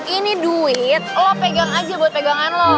ini duit lo pegang aja buat pegangan lo